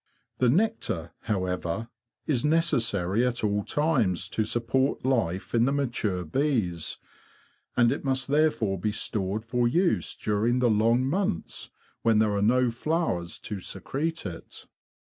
The nectar, however, is necessary at all times to support life in the mature bees, and it must therefore be stored for use during the long months when there are no flowers to secrete it.